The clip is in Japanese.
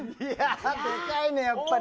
でかいね、やっぱり。